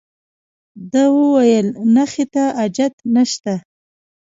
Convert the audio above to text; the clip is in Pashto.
ده وویل نخښې ته حاجت نشته.